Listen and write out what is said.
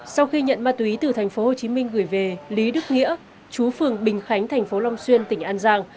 sau khi nhận ma túy từ thành phố hồ chí minh gửi về lý đức nghĩa chú phường bình khánh thành phố long xuyên tỉnh an giang